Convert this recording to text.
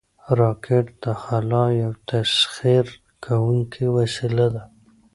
راکټ د خلا یو تسخیر کوونکی وسیله ده